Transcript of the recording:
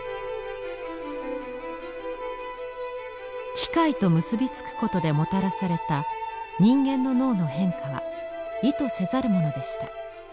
機械と結びつくことでもたらされた人間の脳の変化は意図せざるものでした。